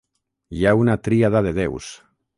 Hi ha una tríada de déus.